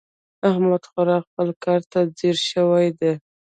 احمد خورا خپل کار ته ځيږ شوی دی.